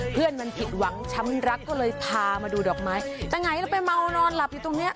เพื่อนมันผิดหวังช้ำรักก็เลยพามาดูดอกไม้แต่ไงเราไปเมานอนหลับอยู่ตรงเนี้ย